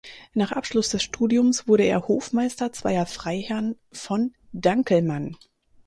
Nach Abschluss des Studiums wurde er Hofmeister zweier Freiherrn von Danckelmann.